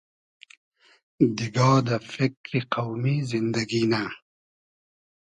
دیگا دۂ فیکری قۆمی زیندئگی نۂ